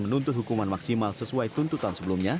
menuntut hukuman maksimal sesuai tuntutan sebelumnya